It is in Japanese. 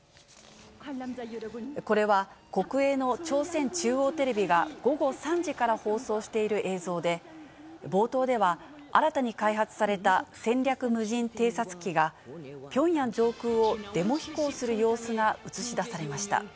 これは国営の朝鮮中央テレビが午後３時から放送している映像で、冒頭では、新たに開発された戦略無人偵察機が、ピョンヤン上空をデモ飛行する様子が映し出されました。